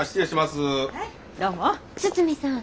堤さん。